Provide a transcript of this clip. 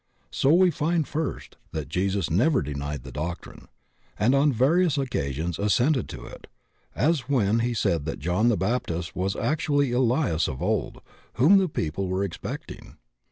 So we find, first, that Jesus never denied the doctrine, and on various occasions assented to it, as when he said that John the Baptist was actuaUy the Elias of old whom the people were expecting.